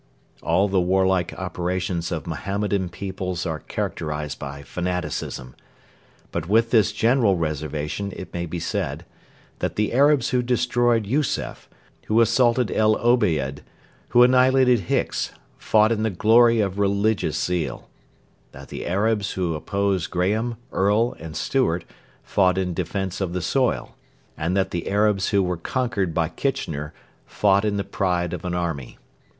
All the warlike operations of Mohammedan peoples are characterised by fanaticism, but with this general reservation it may be said that the Arabs who destroyed Yusef, who assaulted El Obeid, who annihilated Hicks fought in the glory of religious zeal; that the Arabs who opposed Graham, Earle, and Stewart fought in defence of the soil; and that the Arabs who were conquered by Kitchener fought in the pride of an army.